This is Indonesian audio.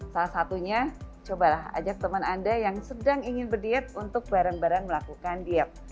salah satunya cobalah ajak teman anda yang sedang ingin berdiet untuk bareng bareng melakukan diet